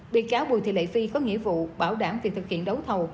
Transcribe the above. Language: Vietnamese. bị cáo bùi thị lệ phi có nghĩa vụ bảo đảm việc thực hiện đấu thầu